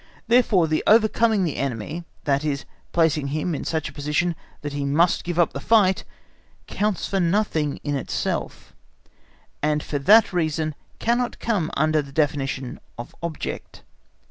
Therefore the overcoming the enemy, that is, placing him in such a position that he must give up the fight, counts for nothing in itself, and for that reason cannot come under the definition of object.